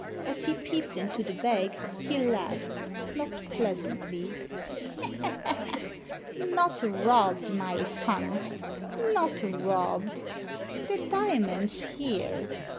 As he peeped into the bag he laughed, not pleasantly. "Not robbed, my Fungst — not robbed. The diamond's here."